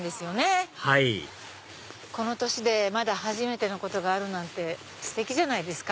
はいこの年でまだ初めてのことがあるなんてステキじゃないですか。